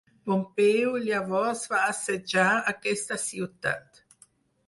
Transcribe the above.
Pompeu llavors va assetjar aquesta ciutat.